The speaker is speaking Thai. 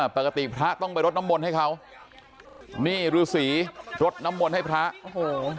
ปกติพระต้องไปรดน้ำมนต์ให้เขานี่ฤษีรดน้ำมนต์ให้พระโอ้โห